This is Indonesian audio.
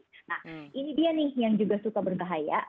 nah ini dia nih yang juga suka berbahaya